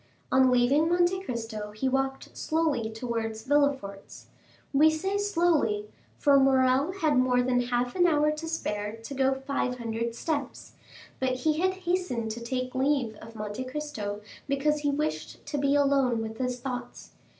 On leaving Monte Cristo he walked slowly towards Villefort's; we say slowly, for Morrel had more than half an hour to spare to go five hundred steps, but he had hastened to take leave of Monte Cristo because he wished to be alone with his thoughts.